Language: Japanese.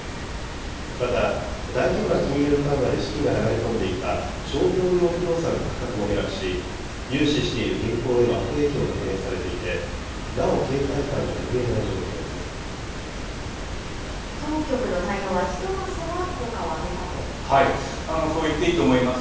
また、大規模な金融緩和で資金が流れ込んでいた商業用不動産の価格も下落し、融資している銀行への悪影響が懸念されていて、なお警戒感が拭え当局の対応は、ひとまずは効そう言っていいと思います。